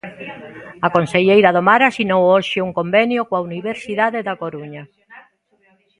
A conselleira do mar asinou hoxe un convenio coa Universidade da Coruña.